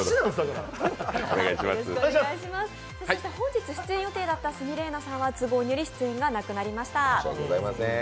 そして本日出演予定だった鷲見麗奈さんは出演がなくなりました。